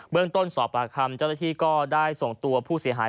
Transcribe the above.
เรื่องต้นสอบปากคำเจ้าหน้าที่ก็ได้ส่งตัวผู้เสียหาย